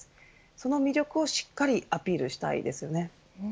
その魅力をしっかりアピールしたいですよね。